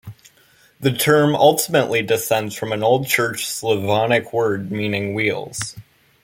The term ultimately descends from an Old Church Slavonic word meaning wheels.